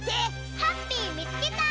ハッピーみつけた！